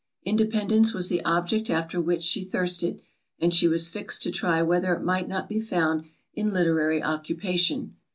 Independence was the object after which she thirsted, and she was fixed to try whether it might not be found in literary occupation.